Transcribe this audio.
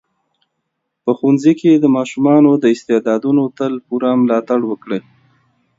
په ښوونځي کې د ماشومانو د استعدادونو تل پوره ملاتړ وکړئ.